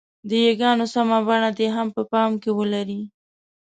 د ی ګانو سمه بڼه دې هم په پام کې ولري.